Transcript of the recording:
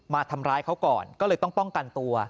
มาทำร้ายเขาก่อนก็เลยต้องป้องกันตัว